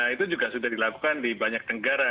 itu juga sudah dilakukan di banyak negara